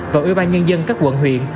và ủy ban nhân dân các quận huyện